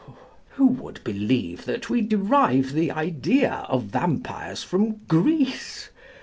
Who would believe that we derive the idea of vampires from Greece?